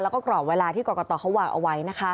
แล้วก็กรอบเวลาที่กรกตเขาวางเอาไว้นะคะ